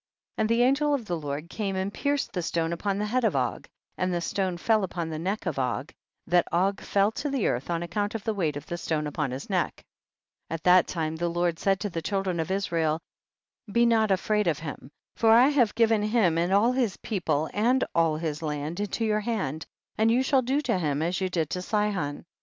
25. And the angel of the Lord came and pierced the stone upon the head of Og, and the stone fell upon the neck of Og that Og fell to the earth on account of the weight of the stone upon his neck. 26. At that time the Lord said to the children of Israel, be not afraid of him, for I have given him and all his people and all his land into your hand, and you shall do to him as you did to Sihon.